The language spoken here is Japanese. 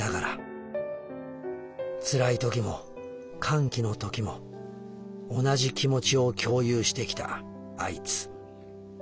つらい時も歓喜の時も同じ気持ちを共有してきたアイツ。